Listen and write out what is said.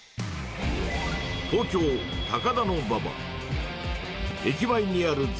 東京・高田馬場。